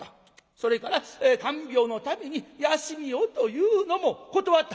それから看病のために休みをというのも断った」。